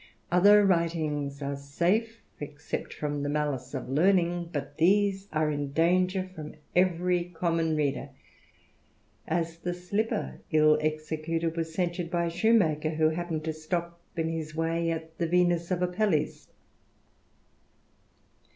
Other writings are safe, except from the malice of learning, but these are m danger from eveay common reader ; as the slipper ill executed was censured \if a shoemaker who happened to stop in his way at the Veinit of Apeiles.